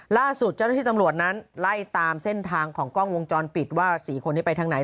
ล่าสุดเจ้าหน้าที่ตำรวจนั้นไล่ตามเส้นทางของกล้องวงจรปิดว่า๔คนนี้ไปทางไหน